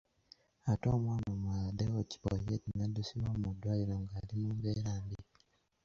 Ate omwana omulala Deo Kipoyet n'addusibwa mu ddwaliro nga ali mu mbeera mbi.